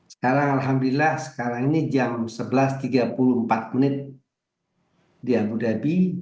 sekarang alhamdulillah sekarang ini jam sebelas tiga puluh empat menit di abu dhabi